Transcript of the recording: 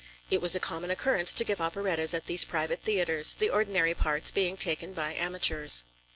It was a common occurrence to give operettas at these private theatres, the ordinary parts being taken by amateurs.